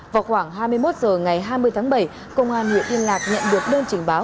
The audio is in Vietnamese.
vào khoảng hai mươi một h ngày hai mươi tháng bảy công an huyện yên lạc nhận được đơn trình báo